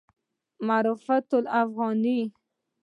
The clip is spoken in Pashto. معرفت الافغاني